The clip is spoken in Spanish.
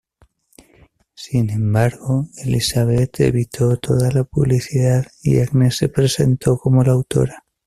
Sin embargo, Elisabeth evitó toda la publicidad y Agnes se presentó como la autora.